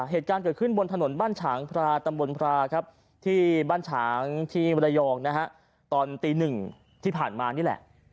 เหตุการณ์เกิดขึ้นบนถนนบ้านฉางพราตำบลพราครับที่บ้านฉางที่มรยองนะฮะตอนตีหนึ่งที่ผ่านมานี่แหละ